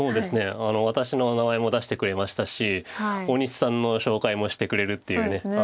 私の名前も出してくれましたし大西さんの紹介もしてくれるっていうね